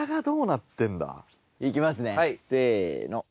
行きますねせの。